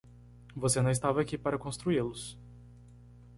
Você não estava aqui para construí-los.